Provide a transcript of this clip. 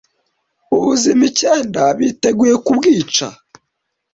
ubuzima icyenda Biteguye kubwica